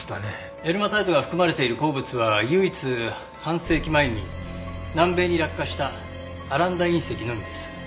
エルマタイトが含まれている鉱物は唯一半世紀前に南米に落下したアランダ隕石のみです。